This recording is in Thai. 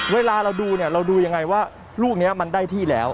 เวลาเราดูเราดูอย่างไรว่าลูกนี้มันได้ที่แล้ว